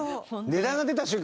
値段が出た瞬間